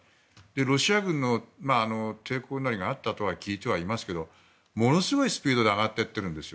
ロシア軍の抵抗なりがあったとは聞いてはいますがものすごいスピードで上がっていっているんです。